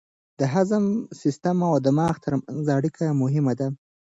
د هضم سیستم او دماغ ترمنځ اړیکه مهمه ده.